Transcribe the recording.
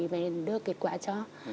để đưa kết quả cho